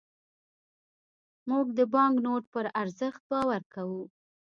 موږ د بانکنوټ پر ارزښت باور کوو.